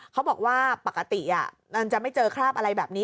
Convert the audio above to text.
เขาบอกว่าปกติมันจะไม่เจอคราบอะไรแบบนี้